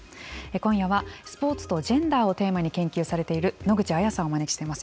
今夜はスポーツとジェンダーをテーマに研究されている野口亜弥さんをお招きしています。